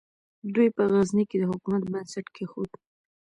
دوی په غزني کې د حکومت بنسټ کېښود.